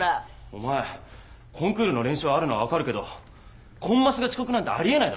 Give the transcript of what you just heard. お前コンクールの練習あるのは分かるけどコンマスが遅刻なんてありえないだろ？